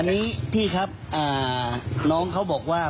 มันส่วนทางกันมาก